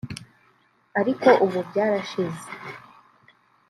ariko ubu byarashize